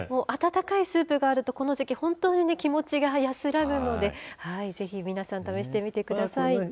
温かいスープがあると、この時期、本当に気持ちが安らぐので、ぜひ皆さん、試してみてください。